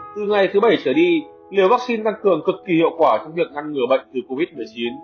từ ngày thứ bảy trở đi liều vaccine tăng cường cực kỳ hiệu quả trong việc ngăn ngừa bệnh từ covid một mươi chín